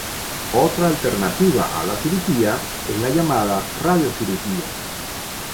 Otra alternativa a la cirugía es la llamada radiocirugía.